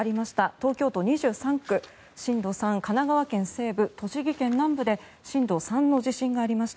東京都２３区、震度３神奈川県西部、栃木県南部で震度３の地震がありました。